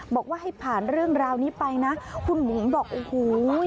บอกว่าให้ผ่านเรื่องราวนี้ไปนะคุณบุ๋มบอกโอ้โห